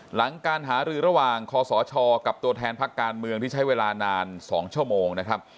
หลังการหารือระหว่างคศกับตัวแทนพักการเมืองที่ใช้เวลานาน๒ชั่วโมงนะครับ